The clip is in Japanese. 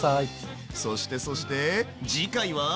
そしてそして次回は？